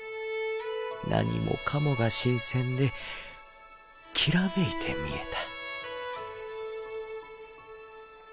何もかもが新鮮できらめいて見えた。